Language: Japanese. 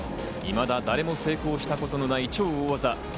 いまだ誰も成功したことのない超大技。